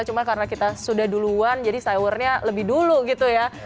cuma karena kita sudah duluan jadi sahurnya lebih dulu gitu ya